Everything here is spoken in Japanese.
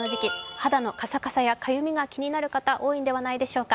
肌のかさかさやかゆみが気になる方、多いんじゃないでしょうか。